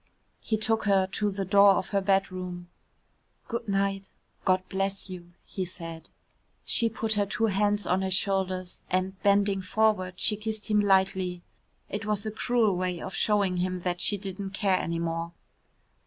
He took her to the door of her bedroom. "Good night God bless you," he said. She put her two hands on his shoulders and, bending forward, she kissed him lightly. It was a cruel way of showing him that she didn't care any more.